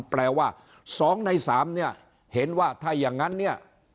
แปลว่า๒ใน๓เนี่ยเห็นว่าถ้าอย่างนั้นเนี่ย